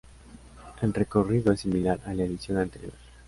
El recorrido es similar a la edición anterior.